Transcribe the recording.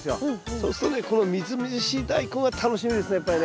そうするとねこのみずみずしいダイコンが楽しみですねやっぱりね。